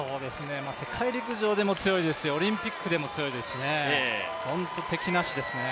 世界陸上でも強いですし、オリンピックでも強いですし本当に敵なしですね。